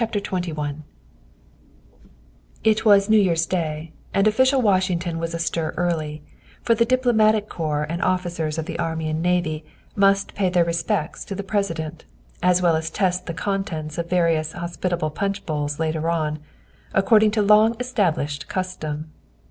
206 THE WIFE OF XXI IT was New Year's Day and official Washington was astir early, for the Diplomatic Corps and officers of the Army and Navy must pay their respects to the Presi dent, as well as test the contents of various hospitable punch bowls later on, according to long established cus tom.